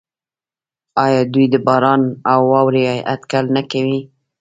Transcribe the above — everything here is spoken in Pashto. آیا دوی د باران او واورې اټکل نه کوي؟